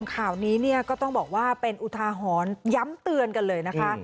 ข่าวนี้เนี่ยก็ต้องบอกว่าเป็นอุทาหรณ์ย้ำเตือนกันเลยนะคะ